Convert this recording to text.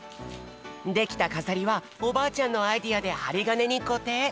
できたかざりはおばあちゃんのアイデアではりがねにこてい。